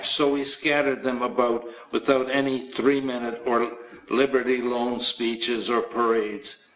So we scattered them about without any "three minute" or "Liberty Loan" speeches or parades.